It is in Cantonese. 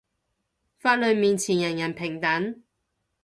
法律面前人人平等